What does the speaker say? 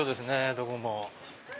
どこも。